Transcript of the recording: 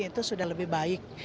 itu sudah lebih baik